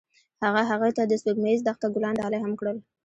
هغه هغې ته د سپوږمیز دښته ګلان ډالۍ هم کړل.